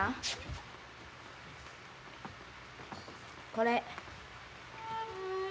これ。